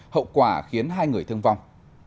hậu quả khiến hai người thương vong